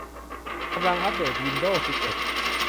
กำลังอัปเดตวินโดวส์สิบเอ็ด